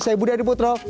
saya budi adiputro